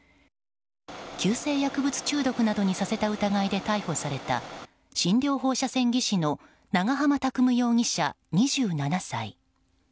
急性薬物中毒などにさせた疑いで逮捕された診療放射線技師の長浜拓夢容疑者、２７歳。